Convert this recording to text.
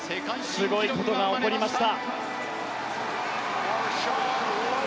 すごいことが起こりました。